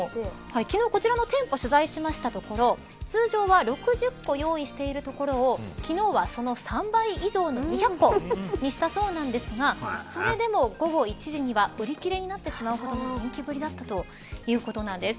昨日こちらの店舗取材しましたところ通常は６０個用意しているところを昨日は、その３倍以上の２００個にしたそうなんですがそれでも午後１時には売り切れになってしまうほどの人気ぶりだったということなんです。